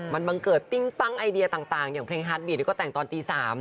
มันบังเกิดปิ้งปั้งไอเดียต่างอย่างเพลงฮาร์ดบีดก็แต่งตอนตี๓